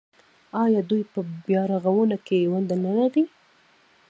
آیا دوی په بیارغونه کې ونډه نلره؟